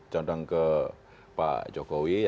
jendong ke pak jokowi